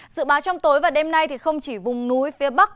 dự báo trong tối và đêm nay không chỉ vùng núi phía bắc